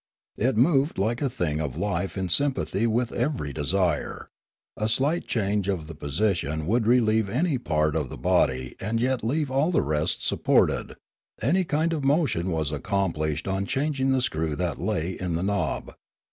It moved like a thing of life in sympathy with every desire; a slight change of the position would relieve any part of the body and yet leave all the rest supported; any kind of motion was accomplished on changing the screw that lay in the knob.